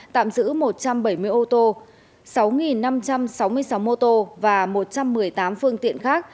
tạm giữ một trăm bảy mươi ô tô sáu năm trăm sáu mươi sáu mô tô và một trăm một mươi tám phương tiện khác